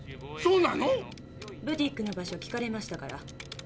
そうなの⁉ブティックの場所聞かれましたから。